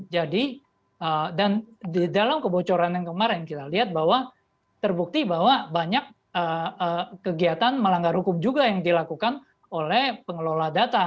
jadi dan di dalam kebocoran yang kemarin kita lihat bahwa terbukti bahwa banyak kegiatan melanggar hukum juga yang dilakukan oleh pengelola data